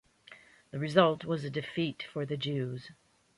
The result was a defeat for the Jews.